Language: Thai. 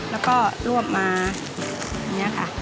แล้วก็รวบมาอย่างนี้ค่ะ